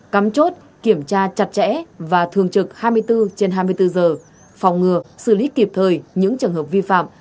cắm chốt kiểm tra chặt chẽ và thường trực hai mươi bốn trên hai mươi bốn giờ phòng ngừa xử lý kịp thời những trường hợp vi phạm